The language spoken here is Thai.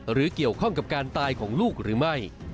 หรือเกี่ยวข้องกับการตายของลูกหรือไม่